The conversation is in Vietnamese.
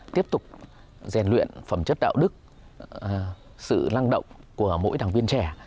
tiếp tục giàn luyện phẩm chất đạo đức sự lăng động của mỗi đảng viên trẻ